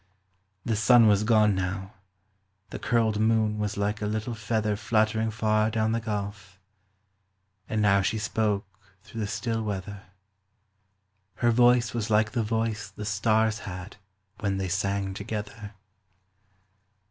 The sun was gone now , the curled moon Was like a little feather Fluttering far down the gulf ; and now She spoke through the still weather. Her voice was like the voice the stars Had when they sang together.